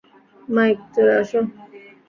Mic, চলে আসো।